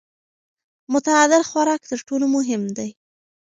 متعادل خوراک تر ټولو مهم دی.